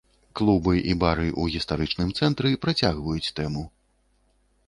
Клубы і бары ў гістарычным цэнтры працягваюць тэму.